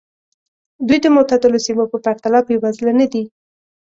دوی د معتدلو سیمو په پرتله بېوزله نه دي.